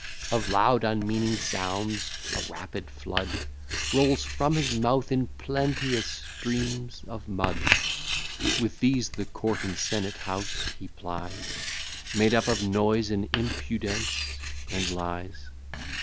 Of loud unmeaning sounds, a rapid flood Rolls from his mouth in plenteous streams of mud; With these the court and senate house he plies, Made up of noise, and impudence, and lies.